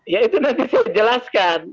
ya itu nanti saya jelaskan